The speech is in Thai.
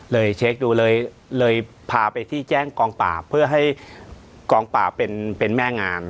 เช็คดูเลยเลยพาไปที่แจ้งกองปราบเพื่อให้กองปราบเป็นแม่งาน